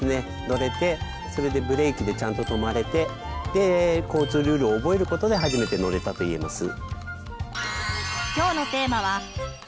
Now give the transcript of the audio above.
乗れてそれでブレーキでちゃんと止まれてで交通ルールを覚えることで初めて乗れたと言えます。